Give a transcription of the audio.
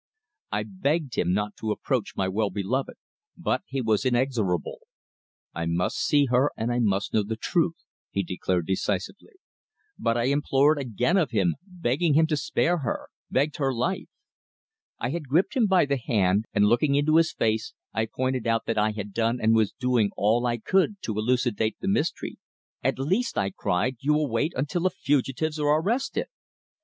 I begged him not to approach my well beloved, but he was inexorable. "I must see her and I must know the truth," he declared decisively. But I implored again of him, begging him to spare her begged her life. I had gripped him by the hand, and looking into his face I pointed out that I had done and was doing all I could to elucidate the mystery. "At least," I cried, "you will wait until the fugitives are arrested!"